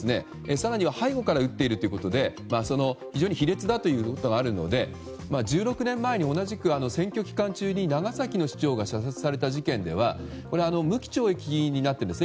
更には背後から撃っているということで非常に卑劣だということがあるので１６年前に、同じく選挙期間中に長崎の市長が射殺された事件では無期懲役になっているんですね。